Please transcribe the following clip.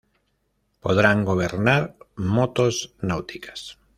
Podrán gobernar motos náuticas.